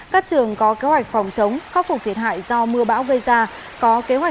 các trường có kế hoạch phòng chống khắc phục thiệt hại do mưa bão gây ra có kế hoạch dậy đủ cho những ngày nghỉ học